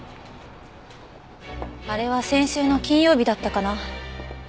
あれは先週の金曜日だったかな。